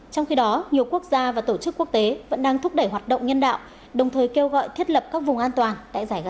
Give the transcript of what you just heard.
trong khi đó nhiều quốc gia và tổ chức quốc tế vẫn đang thúc đẩy hoạt động nhân đạo đồng thời kêu gọi thiết lập các vùng an toàn tại giải gaza